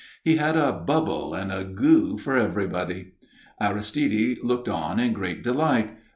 He had a bubble and a "goo" for everyone. Aristide looked on in great delight.